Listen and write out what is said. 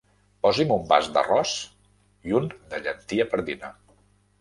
Posi'm un vas d'arròs i un de llentia pardina.